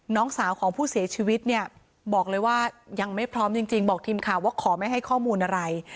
น้องสาวของผู้เสียชีวิตเนี่ยบอกเลยว่ายังไม่พร้อมจริงบอกทีมข่าวว่าขอไม่ให้ข้อมูลอะไร